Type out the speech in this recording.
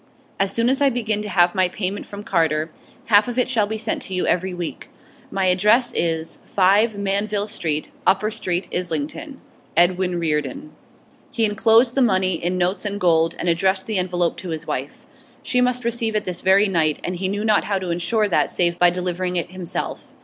As soon as I begin to have my payment from Carter, half of it shall be sent to you every week. My address is: 5 Manville Street, Upper Street, Islington. EDWIN REARDON.' He enclosed the money, in notes and gold, and addressed the envelope to his wife. She must receive it this very night, and he knew not how to ensure that save by delivering it himself.